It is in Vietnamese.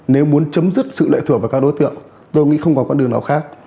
nếu muốn chấm dứt sự lệ thuộc vào các đối tượng tôi nghĩ không có con đường nào khác